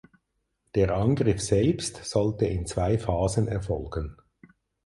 Der Angriff selbst sollte in zwei Phasen erfolgen.